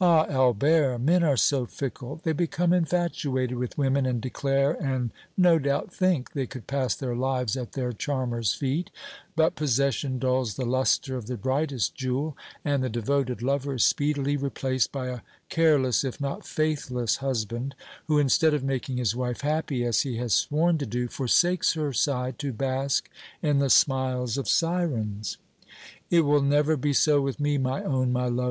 "Ah! Albert, men are so fickle; they become infatuated with women and declare and, no doubt think, they could pass their lives at their charmers' feet; but possession dulls the lustre of the brightest jewel, and the devoted lover is speedily replaced by a careless, if not faithless husband, who, instead of making his wife happy as he has sworn to do, forsakes her side to bask in the smiles of sirens." "It will never be so with me, my own, my love!"